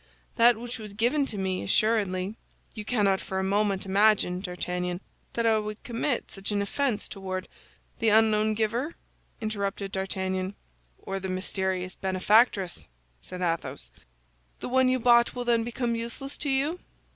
"That which was given to me, assuredly. You cannot for a moment imagine, D'Artagnan, that I would commit such an offense toward—" "The unknown giver," interrupted D'Artagnan. "Or the mysterious benefactress," said Athos. "The one you bought will then become useless to you?"